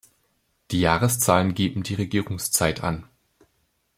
Die Jahreszahlen geben die Regierungszeit an.